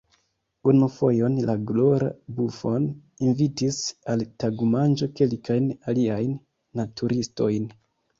Unu fojon la glora Buffon invitis al tagmanĝo kelkajn aliajn naturistojn.